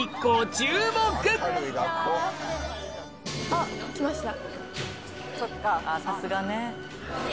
あっ来ました。